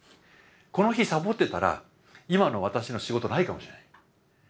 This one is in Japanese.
この日サボってたら今の私の仕事ないかもしれない。